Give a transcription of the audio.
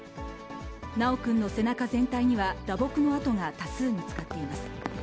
修くんの背中全体には打撲の痕が多数見つかっています。